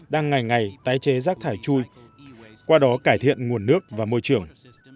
đang ngày ngày tái chế rác thải chui qua đó cải thiện nguồn nước và môi trường